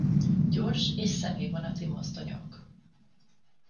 Gyors- és személyvonati mozdonyok